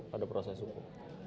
pada proses hukum